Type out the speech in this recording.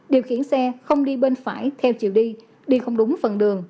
điều khiển xe không đi bên phải theo chiều đi đi không đúng phần đường